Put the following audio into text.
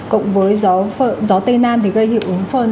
cộng với gió tây nam thì gây hiệu ứng phơn